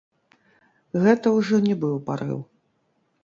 Гэта ўжо не быў парыў.